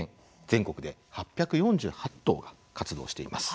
全国で８４８頭が活動しています。